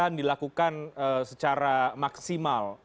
yang dilakukan secara maksimal